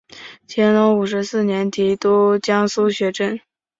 乾隆五十四年提督江苏学政。